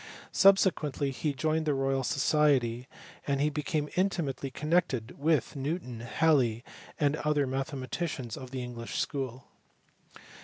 Subsequently he joined the Royal Society, and became intimately connected with Newton, Haliey, and other mathematicians of the English school.